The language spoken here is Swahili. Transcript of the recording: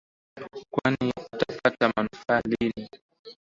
Kwani utapata manufaa lini